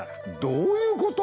どういうこと？